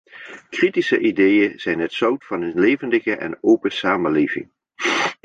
Kritische ideeën zijn het zout van een levendige en open samenleving.